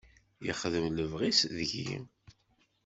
Yexdem lebɣi-s deg-i.